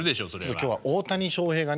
今日は大谷翔平がね